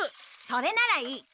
それならいい。